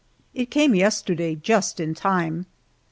It came yesterday, just in time.